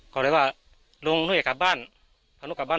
ก็เลยว่าลุงหนูอยากกลับบ้าน